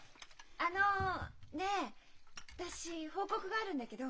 あのねえ私報告があるんだけど。